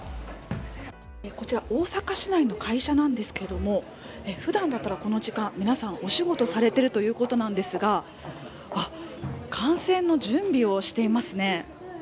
こちら、大阪市内の会社なんですけれども普段だったらこの時間、皆さんお仕事をされているそうなんですが観戦の準備をしていますね。